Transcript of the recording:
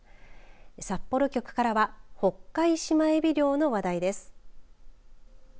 札幌局からはホッカイシマエビ漁の話題です。